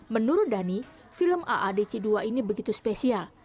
menurut dhani film aadc dua ini begitu spesial